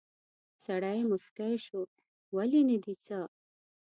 سړی موسکی شو: ولې، نه دي څه؟